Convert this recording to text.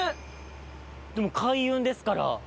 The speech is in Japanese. でも開運ですから。